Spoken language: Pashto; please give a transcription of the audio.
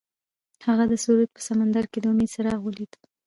هغه د سرود په سمندر کې د امید څراغ ولید.